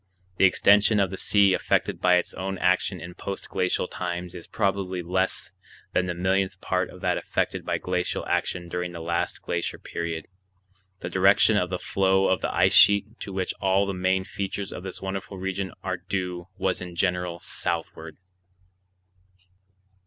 The extension of the sea affected by its own action in post glacial times is probably less than the millionth part of that affected by glacial action during the last glacier period. The direction of the flow of the ice sheet to which all the main features of this wonderful region are due was in general southward.